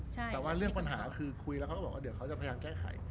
แต่ว่าเรื่องปัญหาคือคุยแล้วเขาก็บอกว่าเดี๋ยวเขาจะพยายามแก้ไข